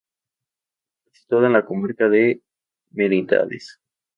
Está situada en la comarca de Merindades.